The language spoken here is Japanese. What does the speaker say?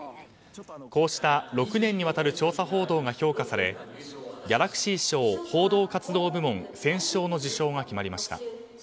こうした６年にわたる調査報道が評価されギャラクシー賞報道活動部門選奨の受賞が決まりました。